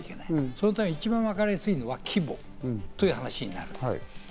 そのために一番わかりやすいのは規模という話になる。